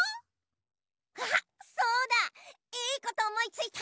あっそうだいいことおもいついた！